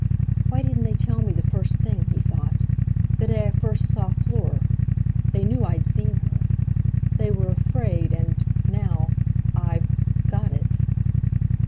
'Why didn't they tell me the first thing,' he thought, 'the day I first saw Fleur? They knew I'd seen her. They were afraid, and—now—I've—got it!'